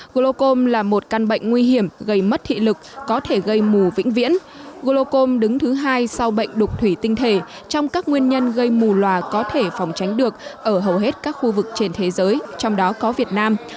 glocom là một căn bệnh nguy hiểm gây mất thị lực có thể gây mù vĩnh viễn glocom đứng thứ hai sau bệnh đục thủy tinh thể trong các nguyên nhân gây mù loà có thể phòng tránh được ở hầu hết các khu vực trên thế giới trong đó có việt nam